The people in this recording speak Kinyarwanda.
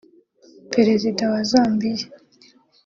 Perezida wa Zambia